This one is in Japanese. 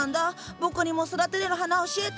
僕にも育てれる花教えて！